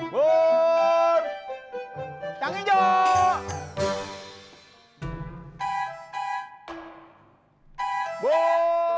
burr yang hijau